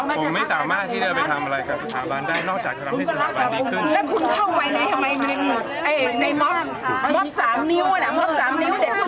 ผมไม่สามารถที่จะไปทำอะไรกับสถาบันได้นอกจากจะทำให้สถาบันนี้